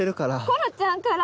ころちゃんから！